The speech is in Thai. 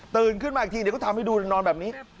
ขึ้นมาอีกทีเดี๋ยวก็ทำให้ดูนอนแบบนี้